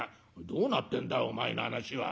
「どうなってんだお前の話は。